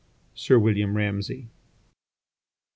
—Sir William Ramsay.